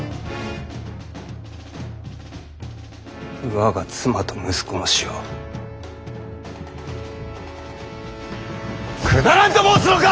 我が妻と息子の死をくだらんと申すのか！